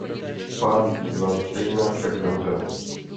Pán z Landštejna však zemřel.